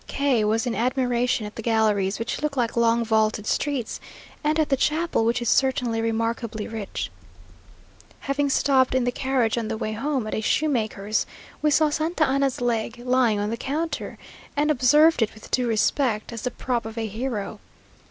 K was in admiration at the galleries, which look like long vaulted streets, and at the chapel, which is certainly remarkably rich.... Having stopped in the carriage on the way home, at a shoemaker's, we saw Santa Anna's leg lying on the counter, and observed it with due respect, as the prop of a hero.